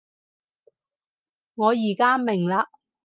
我而家明喇